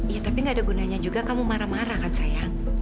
ya tapi gak ada gunanya juga kamu marah marah kan sayang